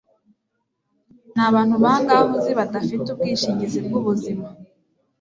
nabantu bangahe uzi badafite ubwishingizi bwubuzima